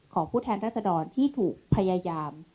ผู้แทนรัศดรที่ถูกพยายาม